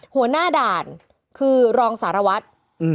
หัวหน้าด่านคือรองสารวัตร